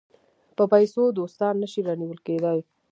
په پیسو دوستان نه شي رانیول کېدای.